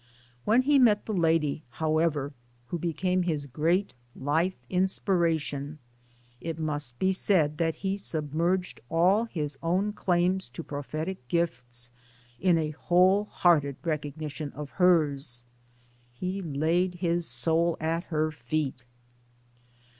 When he met the lady, however, who became his great life inspiration, it must be said that he sub merged all his own claims to prophetic' gifts in a whole hearted recognition of hers. He laid his soul at her feet.